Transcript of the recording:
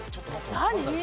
何？